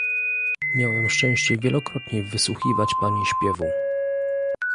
Miałem szczęście wielokrotnie wysłuchiwać pani śpiewu